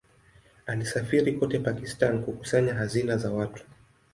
Alisafiri kote Pakistan kukusanya hazina za watu.